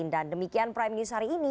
dan demikian prime news hari ini